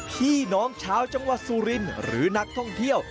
พี่น้องชาวจังหวัดสุรินหรือนักท่องเที่ยว